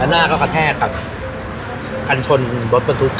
หน้าก็กระแทกกับกันชนรถบรรทุก